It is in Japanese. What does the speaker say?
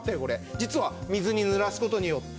実は水にぬらす事によって。